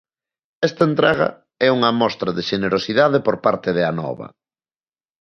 Esta entrega é unha mostra de xenerosidade por parte de Anova.